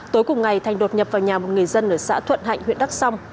tối cùng ngày thành đột nhập vào nhà một người dân ở xã thuận hạnh huyện đắk song